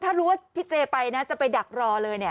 ถ้ารู้ว่าพี่เจไปนะจะไปดักรอเลยเนี่ย